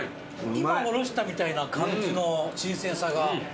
今おろしたみたいな感じの新鮮さが。